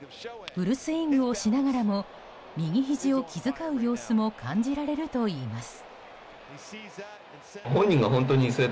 フルスイングをしながらも右ひじを気遣う様子も感じられるといいます。